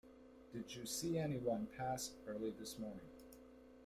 Did you see anyone pass early this morning?